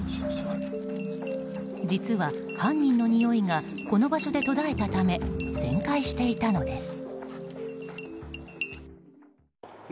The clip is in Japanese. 実は犯人のにおいがこの場所で途絶えたため旋回していたのです。